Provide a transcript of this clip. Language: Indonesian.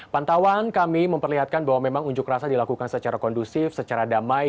pantauan kami memperlihatkan bahwa memang unjuk rasa dilakukan secara kondusif secara damai